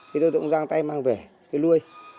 thì tôi cũng giang tay mang về tôi nuôi